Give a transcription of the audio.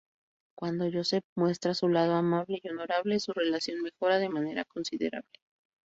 Cuando Joseph muestra su lado amable y honorable, su relación mejora de manera considerable.